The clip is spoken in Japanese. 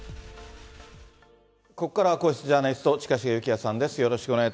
ここからは皇室ジャーナリスト、近重幸哉さんです。